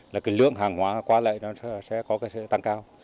lượng hàng hóa qua lại sẽ tăng cao